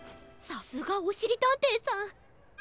さすがおしりたんていさん。